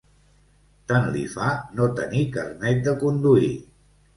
Tant li fa no tenir carnet de conduir.